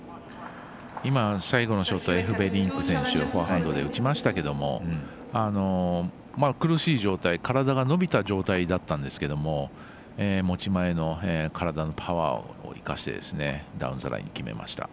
今、最後のショットエフベリンクフォアハンドで打ちましたけど苦しい状態、体が伸びた状態だったんですけれども持ち前の体のパワーを生かしてダウンザライン決めました。